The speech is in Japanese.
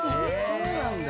そうなんだ